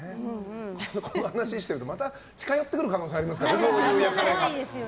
この話をしてたらまた近寄ってくる可能性ありますからね、そういう輩が。